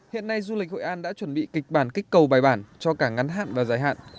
hiện nay du lịch hội an đã chuẩn bị kịch bản kích cầu bài bản cho cả ngắn hạn và dài hạn